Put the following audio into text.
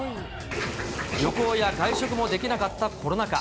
旅行や外食もできなかったコロナ禍。